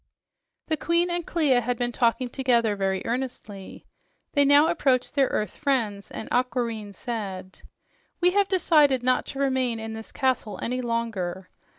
The queen and Clia had been talking together very earnestly. They now approached their earth friends, and Aquareine said: "We have decided not to remain in this castle any longer.